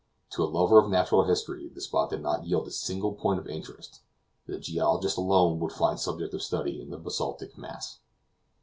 To a lover of natural history, the spot did not yield a single point of interest; the geologist alone would find subject of study in the basaltic mass.